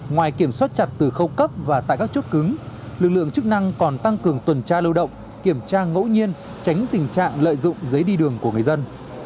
ngoài kiểm soát chặt từ khâu cấp và tại các chốt cứng lực lượng chức năng còn tăng cường tuần tra lưu động kiểm tra ngẫu nhiên tránh tình trạng lợi dụng giấy đi đường của người dân